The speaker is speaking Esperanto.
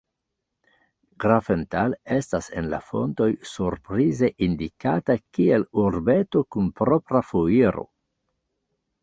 Grafenthal estas en la fontoj surprize indikata kiel urbeto kun propra foiro.